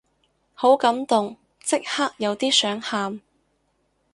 好感動，即刻有啲想喊